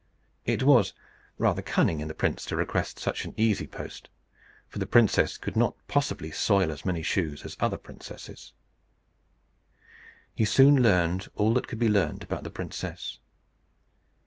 It was rather cunning in the prince to request such an easy post, for the princess could not possibly soil as many shoes as other princesses. He soon learned all that could be learned about the princess.